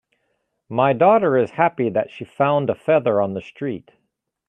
My daughter is happy that she found a feather on the street.